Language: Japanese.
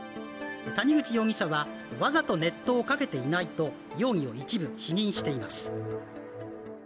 谷口容疑者は、わざと熱湯をかけていないと容疑を一部否認しています。